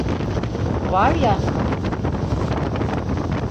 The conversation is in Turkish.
Var ya!